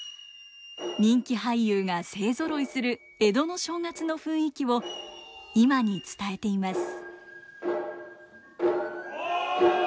人気俳優が勢ぞろいする江戸の正月の雰囲気を今に伝えています。